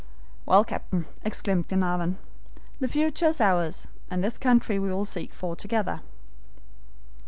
"Well, captain," exclaimed Glenarvan, "the future is ours, and this country we will seek for together."